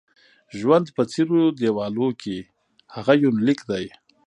ژوند په څيرو دېوالو کې: هغه یونلیک دی